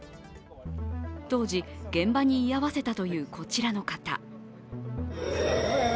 当時、現場に居合わせたというこちらの方。